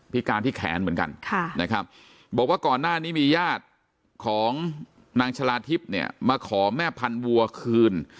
การที่แขนเหมือนกันนะครับบอกว่าก่อนหน้านี้มีญาติของนางชะลาทิพย์เนี่ยมาขอแม่พันวัวคืน